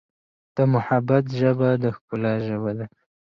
د محبت ژبه د ښکلا ژبه ده.